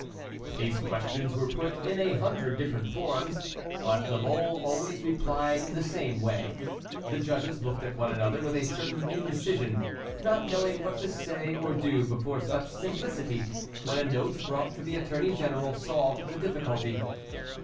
These questions were put in a hundred different forms, but La Mole always replied in the same way. The judges looked at one another with a certain indecision, not knowing what to say or do before such simplicity, when a note brought to the Attorney General solved the difficulty.